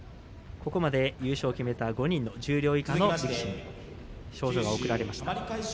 ここまで優勝を決めた５人の十両以下の力士に、賞状が贈られました。